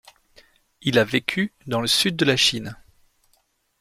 Il a vécu dans le sud de la Chine.